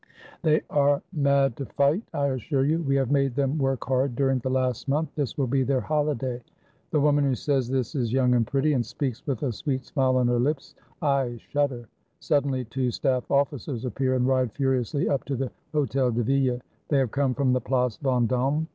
They are mad to fight, I assure you. We have made them work hard during the last month; this will be their holiday!" The woman who says this is young and pretty, and speaks with a sweet smile on her lips. I shudder. Suddenly two staff officers appear and ride furiously up to the Hotel de Ville; they have come from the Place Ven dome.